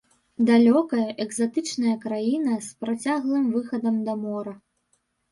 Далёкая, экзатычная краіна, з працяглым выхадам да мора.